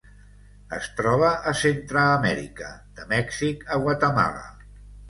Es troba a Centreamèrica: de Mèxic a Guatemala.